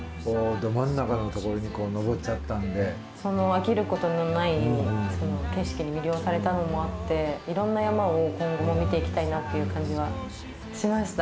飽きることのない景色に魅了されたのもあっていろんな山を今後も見ていきたいなっていう感じはしました。